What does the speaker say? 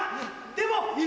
でも。